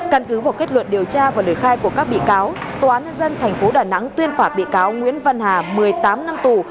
căn cứ vào kết luận điều tra và lời khai của các bị cáo tòa án nhân dân tp đà nẵng tuyên phạt bị cáo nguyễn văn hà một mươi tám năm tù